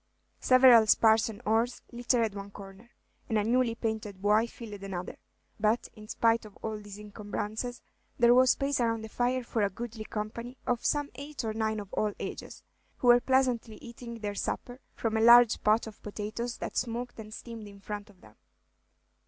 Several spars and oars littered one corner, and a newly painted buoy filled another; but, in spite of all these encumbrances, there was space around the fire for a goodly company of some eight or nine of all ages, who were pleasantly eating their supper from a large pot of potatoes that smoked and steamed in front of them.